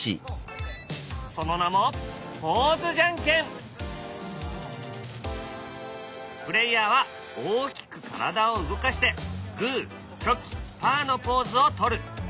その名もプレーヤーは大きく体を動かしてグーチョキパーのポーズを取る。